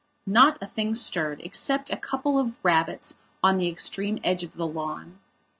Not a thing stirred, except a couple of rabbits on the extreme edge of the lawn.